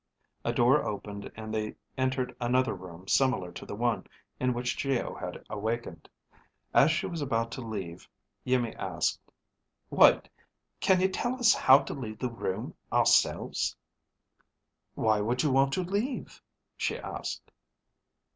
A door opened and they entered another room similar to the one in which Geo had awakened. As she was about to leave, Iimmi asked, "Wait. Can you tell us how to leave the room ourselves?" "Why would you want to leave?" she asked.